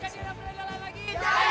kita jadi rapat lelah lagi